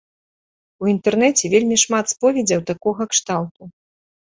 У інтэрнэце вельмі шмат споведзяў такога кшталту.